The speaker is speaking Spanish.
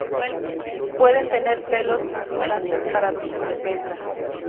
Pueden tener pelos urticantes para su defensa.